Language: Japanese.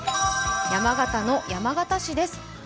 山形の山形市です。